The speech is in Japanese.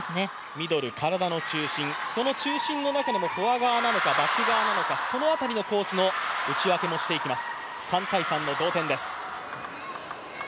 ミドル、体の中心、その中心の中でもバック側なのかフォア側なのかその辺りのコースの打ち分けもしていきます。